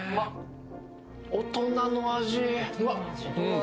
・大人の味